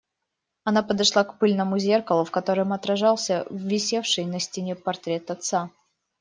Она подошла к пыльному зеркалу, в котором отражался висевший на стене портрет отца.